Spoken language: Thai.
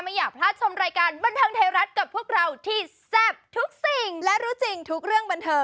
อีกต่อไปย้าหู้